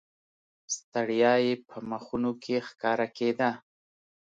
ستړیا یې په مخونو کې ښکاره کېده.